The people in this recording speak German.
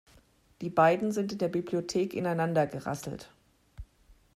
Die beiden sind in der Bibliothek ineinander gerasselt.